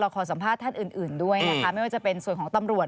ขอสัมภาษณ์ท่านอื่นด้วยนะคะไม่ว่าจะเป็นส่วนของตำรวจ